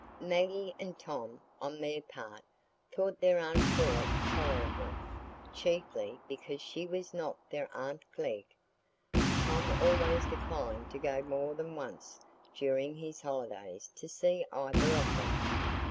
Maggie and Tom, on their part, thought their aunt Pullet tolerable, chiefly because she was not their aunt Glegg. Tom always declined to go more than once during his holidays to see either of them.